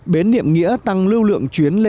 bến niệm nghĩa tăng lưu lượng chuyến